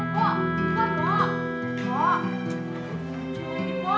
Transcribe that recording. kenapa yang bolu